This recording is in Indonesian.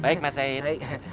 baik mas said